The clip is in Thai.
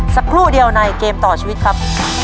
สักครู่เดียวในเกมต่อชีวิตครับ